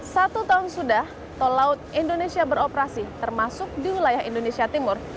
satu tahun sudah tol laut indonesia beroperasi termasuk di wilayah indonesia timur